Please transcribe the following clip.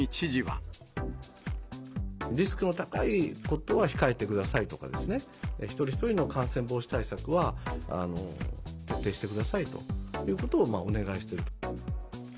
リスクの高いことは控えてくださいとかですね、一人一人の感染防止対策は、徹底してくださいということをお願いしている。